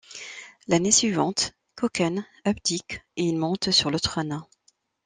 L'année suivante, Kōken abdique et il monte sur le trône.